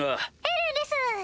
エレンです！